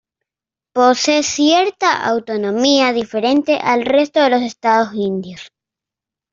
Posee cierta autonomía diferente al resto de los estados indios.